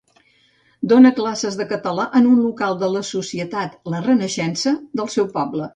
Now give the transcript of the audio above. Donà classes de català en un local de la Societat La Renaixença del seu poble.